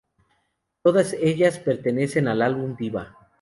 Todas ellas pertenecen al álbum "Diva".